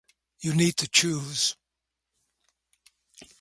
You need to choose.